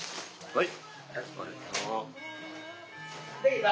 はい。